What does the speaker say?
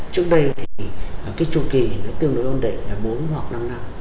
trước đây thì cái chu kỳ nó tương đối ổn định là bốn hoặc năm năm